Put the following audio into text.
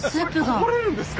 こぼれるんですか？